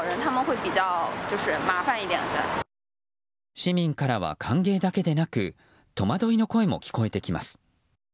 市民からは歓迎だけでなく戸惑いの声も聞こえてきます。